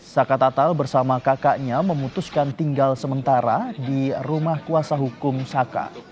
saka tatal bersama kakaknya memutuskan tinggal sementara di rumah kuasa hukum saka